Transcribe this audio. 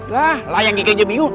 lah lah yang kayaknya bingung